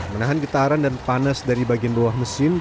menahan getaran dan panas dari bagian bawah mesin